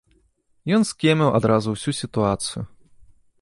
Ён скеміў адразу ўсю сітуацыю.